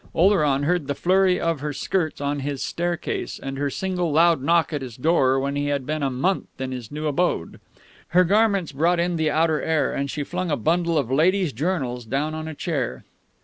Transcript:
Oleron heard the flurry of her skirts on his staircase and her single loud knock at his door when he had been a month in his new abode. Her garments brought in the outer air, and she flung a bundle of ladies' journals down on a chair.